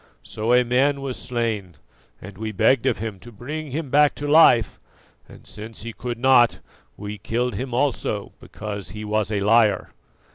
So a man was slain and we begged of him to bring him back to life; and since he could not, we killed him also because he was a liar."